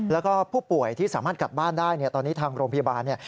และผู้ป่วยที่สามารถกลับบ้านได้ตอนนี้ทางโรงพยาบาล